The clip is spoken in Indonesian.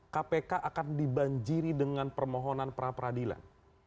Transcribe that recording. kpk akan dibanjiri dengan permohonan pra peradilan